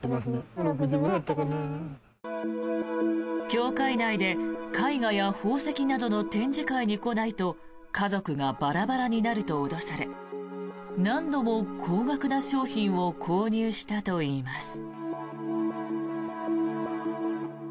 教会内で、絵画や宝石などの展示会に来ないと家族がバラバラになると脅され何度も高額な商品を購入したといいます。